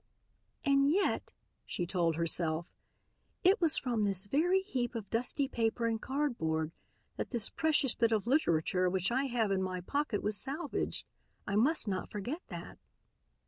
"And yet," she told herself, "it was from this very heap of dusty paper and cardboard that this precious bit of literature which I have in my pocket, was salvaged. I must not forget that.